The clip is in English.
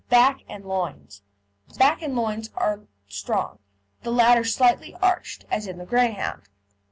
BACK AND LOINS The back and loins are strong, the latter slightly arched, as in the Greyhound.